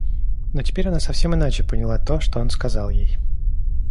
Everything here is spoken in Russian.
Но теперь она совсем иначе поняла то, что он сказал ей.